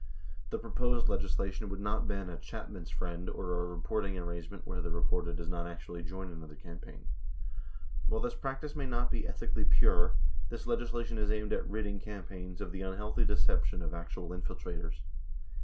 The proposed legislation would not ban a "Chapman's friend" or a reporting arrangement where the reporter does not actually join another campaign. While this practice may not be ethically pure, this legislation is aimed at ridding campaigns of the unhealthy deception of actual infiltrators.